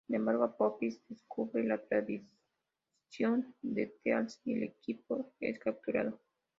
Sin embargo Apophis descubre la traición de Teal'c y el equipo es capturado.